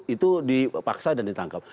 itu dipaksa dan ditangkap